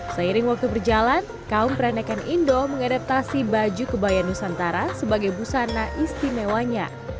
seiring waktu berjalan kaum perekan indo mengadaptasi baju kebaya nusantara sebagai busana istimewanya